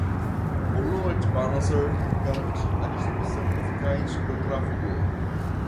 O Load Balancer garante a distribuição eficaz do tráfego.